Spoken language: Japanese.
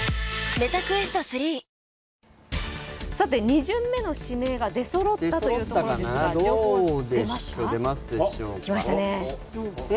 ２巡目の指名が出そろったというところですが、情報出ますか？